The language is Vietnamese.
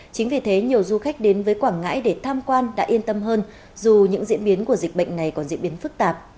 chính vì thế nhiều du khách đến với quảng ngãi để tham quan đã yên tâm hơn dù những diễn biến của dịch bệnh này còn diễn biến phức tạp